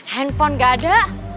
handphone gak ada